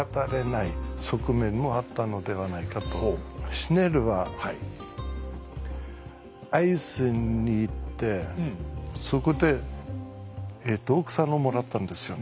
シュネルは会津に行ってそこで奥さんをもらったんですよね。